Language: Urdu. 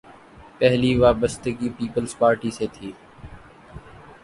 پہلی وابستگی پیپلز پارٹی سے تھی۔